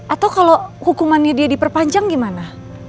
atau kalau hukumannya dia diperpanjang gimana